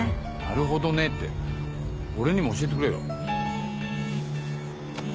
「なるほどね」って俺にも教えてくれよ。